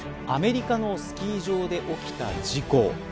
アメリカのスキー場で起きた事故。